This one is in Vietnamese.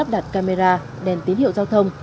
đặt camera đèn tín hiệu giao thông